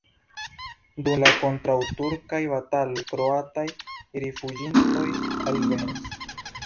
Dum la kontraŭturkaj bataloj kroataj rifuĝintoj alvenis.